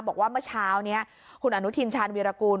บอกว่าเมื่อเช้านี้คุณอนุทินชาญวีรกูล